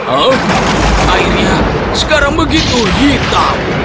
oh airnya sekarang begitu hitam